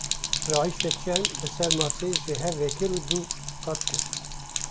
Rahişte çerm, li ser masê ji hev vekir û du qat kir.